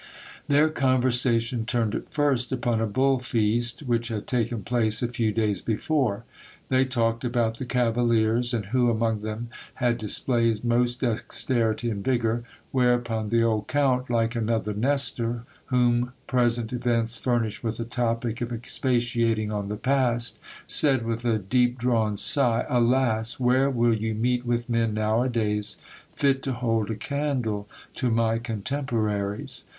Their conversation turned at first upon a bull feast which had taken place a few days before. They talked about the cavaliers, and who among them had displayed most dexterity and vigour ; whereupon the old count, like another Nestor, whom present events furnish with a topic of expatiating on the past, said with a deep drawn sigh : Alas ! where will you meet with men now a days, fit to hold a candle to my contemporaries